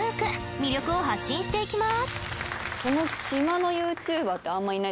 魅力を発信していきます┐